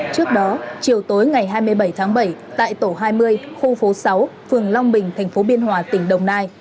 trước đó chiều tối ngày hai mươi bảy tháng bảy tại tổ hai mươi khu phố sáu phường long bình tp biên hòa tỉnh đồng nai